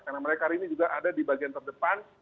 karena mereka hari ini juga ada di bagian terdepan